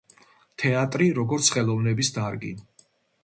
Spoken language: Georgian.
თეატრი, როგორც ხელოვნების დარგი.